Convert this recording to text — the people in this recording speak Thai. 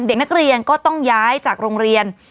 เด็กนักเรียนก็ต้องย้ายจากโรงเรียน